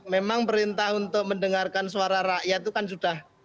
memang perintah untuk mendengarkan suara rakyat itu kan sudah